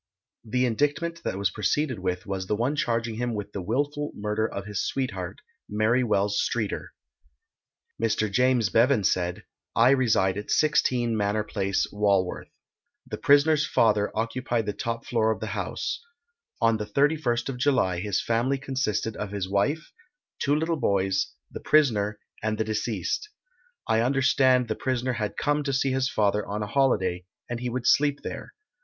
The indictment that was proceeded with was the one charging him with the wilful murder of his sweetheart, Mary Wells Streeter. Mr James Bevan said: I reside at 16, Manor place, Walworth. The prisoner's father occupied the top floor of the house. On the 31st of July his family consisted of his wife, two little boys, the prisoner, and the deceased. I understand the prisoner had come to see his father on a holiday, and he would sleep there.